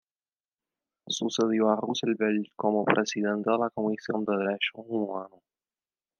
Sucedió a Roosevelt como presidente de la Comisión de Derechos Humanos.